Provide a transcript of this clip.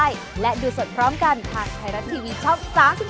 สวัสดีครับ